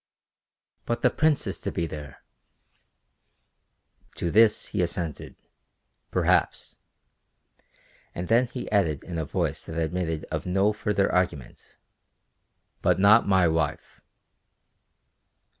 "But the Prince is to be there!" To this he assented. "Perhaps." And then he added in a voice that admitted of no further argument, "But not my wife."